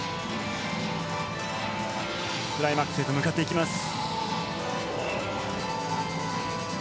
クライマックスへと向かっていきます。